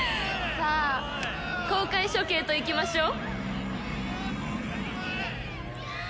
さあ公開処刑といきましょう。